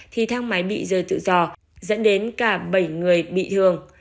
thì thang máy bị rơi tự do dẫn đến cả bảy người bị thương